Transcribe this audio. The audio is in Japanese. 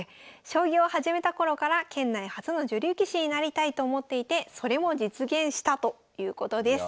将棋を始めた頃から県内初の女流棋士になりたいと思っていてそれも実現したということです。